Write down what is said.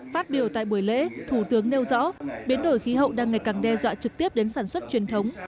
phát biểu tại buổi lễ thủ tướng nêu rõ biến đổi khí hậu đang ngày càng đe dọa trực tiếp đến sản xuất truyền thống